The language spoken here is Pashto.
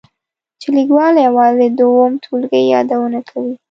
چې لیکوال یوازې د اووم ټولګي یادونه کوي.